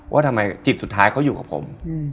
ว่าทำไมจิตสุดท้ายเขาอยู่กับผม